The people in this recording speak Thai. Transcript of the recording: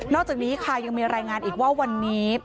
จากนี้ค่ะยังมีรายงานอีกว่าวันนี้